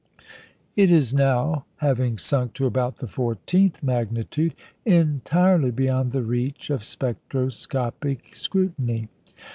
It is now, having sunk to about the fourteenth magnitude, entirely beyond the reach of spectroscopic scrutiny.